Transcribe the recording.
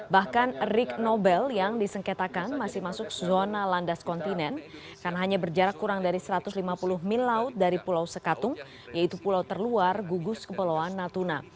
bahkan rick nobel yang disengketakan masih masuk zona landas kontinen karena hanya berjarak kurang dari satu ratus lima puluh mil laut dari pulau sekatung yaitu pulau terluar gugus kepulauan natuna